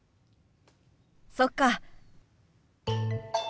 そっか。